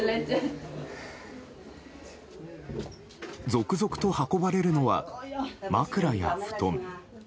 続々と運ばれるのは枕や布団